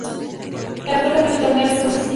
El actual campeón del torneo es Deportes Iquique.